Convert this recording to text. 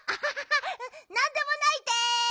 なんでもないです。